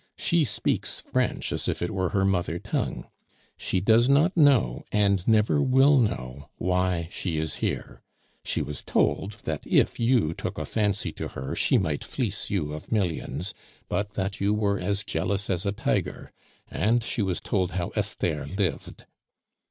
She speaks French as if it were her mother tongue. She does not know, and never will know, why she is here. She was told that if you took a fancy to her she might fleece you of millions, but that you were as jealous as a tiger, and she was told how Esther lived."